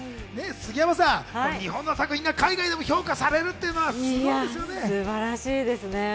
日本の作品が海外でも評価されるっていうのはすごいですよね。